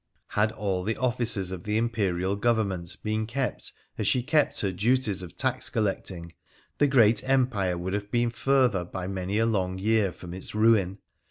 Had all the offices of the Imperial Government been kept as she kept her duties of tax collecting, the great Empire would have been further by many a long year from its ruin.